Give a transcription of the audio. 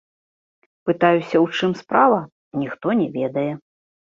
Пытаюся ў чым справа, ніхто не ведае.